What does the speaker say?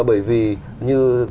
bởi vì như